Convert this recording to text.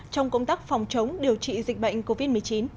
trong công tác phòng chống điều trị dịch bệnh covid một mươi chín